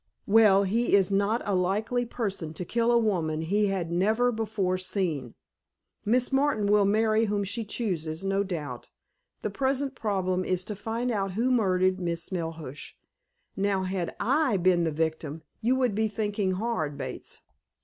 "Well, he is not a likely person to kill a woman he had never before seen. Miss Martin will marry whom she chooses, no doubt. The present problem is to find out who murdered Miss Melhuish. Now, had I been the victim you would be thinking hard, Bates."